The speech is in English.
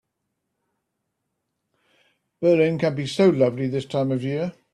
Berlin can be so lovely this time of year.